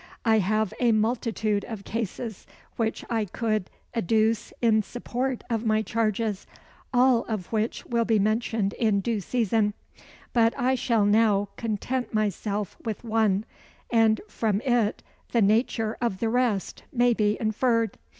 "I have a multitude of cases which I could adduce in support of my charges all of which will be mentioned in due season but I shall now content myself with one, and from it the nature of the rest may be inferred.